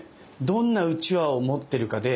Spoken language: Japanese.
どんなうちわを持ってるかで。